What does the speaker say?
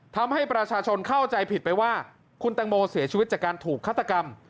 ทำให้ประชาชนเข้าใจผิดไปว่าคุณตังโมเสียชีวิตจากการถูกฆาตกรรม